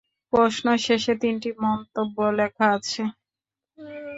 প্রশ্ন শেষে তিনটি মন্তব্য লেখা আছে।